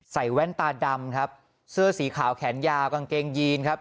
แว่นตาดำครับเสื้อสีขาวแขนยาวกางเกงยีนครับ